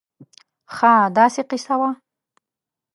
خاا داسې قیصه وه